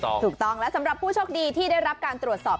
อย่างแรกเลยก็คือการทำบุญเกี่ยวกับเรื่องของพวกการเงินโชคลาภ